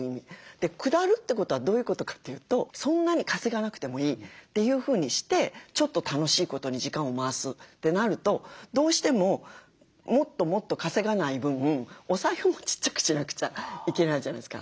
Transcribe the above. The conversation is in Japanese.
下るってことはどういうことかというとそんなに稼がなくてもいいというふうにしてちょっと楽しいことに時間を回すってなるとどうしてももっともっと稼がない分お財布もちっちゃくしなくちゃいけないじゃないですか。